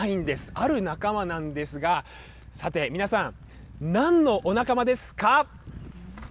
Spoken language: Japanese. ある仲間なんですが、さて、皆さん、何のお仲間ですか？